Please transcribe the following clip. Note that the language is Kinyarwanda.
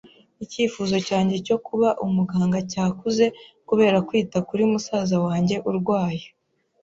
Icyifuzo cyanjye cyo kuba umuganga cyakuze kubera kwita kuri musaza wanjye urwaye.